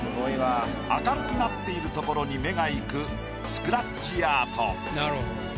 明るくなっている所に目が行くスクラッチアート。